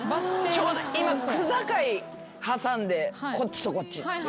今区界挟んでこっちとこっち。